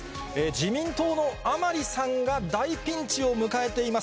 自民党の甘利さんが大ピンチを迎えています。